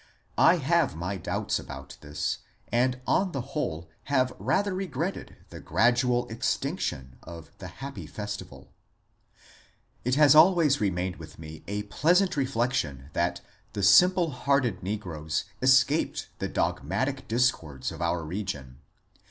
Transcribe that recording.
I have my doubts about this, and on the whole have rather regretted the gradual extinction of the happy festival. It has always remained with me a pleasant reflection that the simple hearted negroes escaped the dogmatic discords of our region.